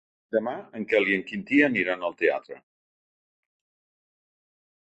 Demà en Quel i en Quintí aniran al teatre.